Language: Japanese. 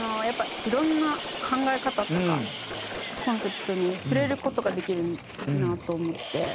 やっぱいろんな考え方とかコンセプトに触れる事ができるなと思って。